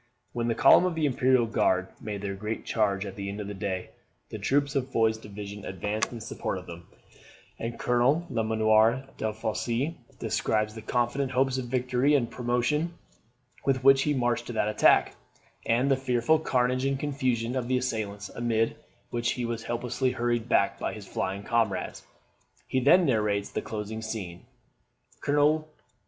When the column of the Imperial Guard made their great charge at the end of the day, the troops of Foy's division advanced in support of them, and Colonel Lemonnier Delafosse describes the confident hopes of victory and promotion with which he marched to that attack, and the fearful carnage and confusion of the assailants, amid which he was helplessly hurried back by his flying comrades. He then narrates the closing scene, [Col.